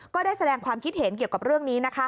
ก็ได้แสดงความคิดเห็นเกี่ยวกับเรื่องนี้นะคะ